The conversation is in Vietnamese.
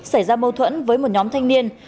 xảy ra mâu thuẫn với một nhóm thanh niên